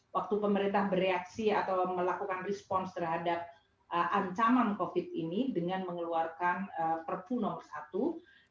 waktu pemerintah bereaksi atau melakukan respons terhadap ancaman covid ini dengan mengeluarkan perpu nomor satu